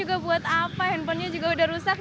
juga buat apa handphonenya juga udah rusak